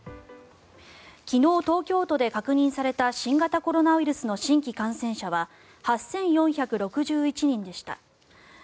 昨日、東京都で確認された新型コロナウイルスの新規感染者は８４６１人でした。